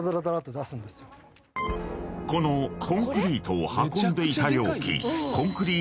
［このコンクリートを運んでいた容器］